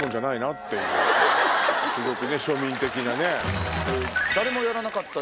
すごく庶民的なね。